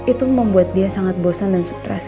itu membuat dia sangat bosan dan stres